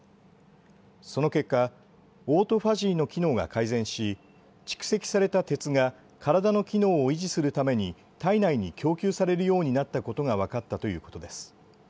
その結果、オートファジーの機能が改善し蓄積された鉄が体の機能を維持するために体内に供給されるようになったことが分かったということです。